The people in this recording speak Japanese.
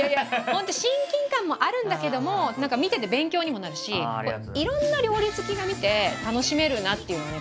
本当親近感もあるんだけども何か見てて勉強にもなるしいろんな料理好きが見て楽しめるなっていうのはね